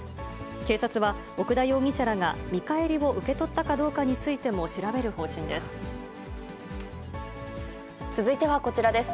警察は、奥田容疑者らが、見返りを受け取ったかどうかについても続いてはこちらです。